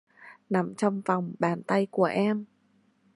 Nằm trong vòng Bàn Tay Của Em